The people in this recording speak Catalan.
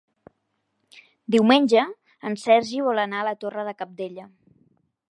Diumenge en Sergi vol anar a la Torre de Cabdella.